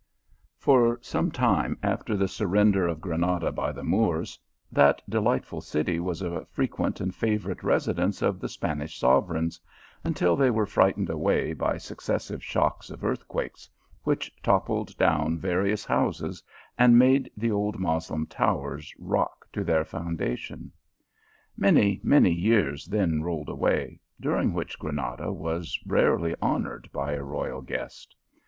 FOR some time after the surrender of Granada by the Moors, that delightful city was a frequent and favourite residence of the Spanish sovereigns, until they were frightened away by successive shocks of earthquakes, which toppled clown various houses and made the old Moslem towers rock to their founda tion. Many, many years then rolled away, during which Granada was rarely honoured by a royal guest.